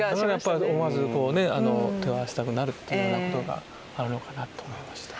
思わずこうね手を合わせたくなるっていうようなことがあるのかなと思いました。